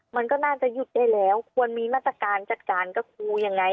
มันก็น่าจะหยุดได้แล้วควรมีมาตรการจัดการกับครูยังไง